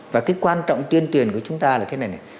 và cái quan trọng tuyên truyền của chúng ta là thế này này